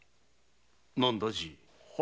何だじい。